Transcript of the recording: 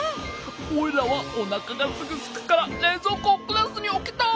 オイラはおなかがすぐすくかられいぞうこをクラスにおきたい！